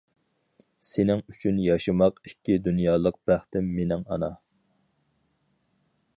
سېنىڭ ئۈچۈن ياشىماق ئىككى دۇنيالىق بەختىم مېنىڭ ئانا!